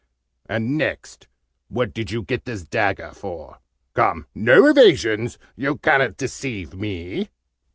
And next, what did you get this dagger for? Come, no evasions! You ca'n't deceive me!"